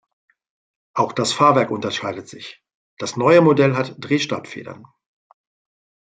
Auch das Fahrwerk unterscheidet sich: Das neue Modell hatte Drehstabfedern.